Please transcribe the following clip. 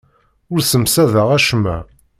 Ur ssemsadeɣ acemma.